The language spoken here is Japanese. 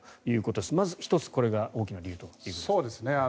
まず１つ、これが大きな理由ということですね。